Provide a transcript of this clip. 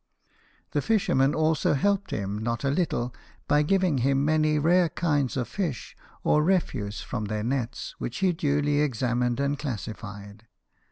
The fishermen also helped him not a little, by giving him many rare kinds of fish or refuse from their nets, which he duly examined and classified.